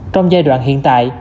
trong giai đoạn hiện tại